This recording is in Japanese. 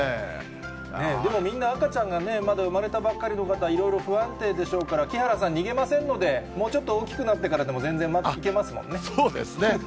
でもみんな、赤ちゃんがみんな生まれたばっかりの方、いろいろ不安定でしょうから、木原さん逃げませんので、もうちょっと大きくなってからでも、全然まだいそうですね。